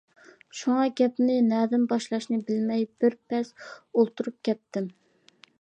شۇڭا گەپنى نەدىن باشلاشنى بىلمەي بىر پەس ئولتۇرۇپ كەتتىم.